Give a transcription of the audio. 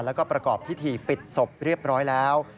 แล้วก็ประกอบพิธีปิดศพเรียบร้อยแล้ว